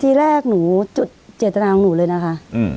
ทีแรกหนูจุดเจตนาของหนูเลยนะคะ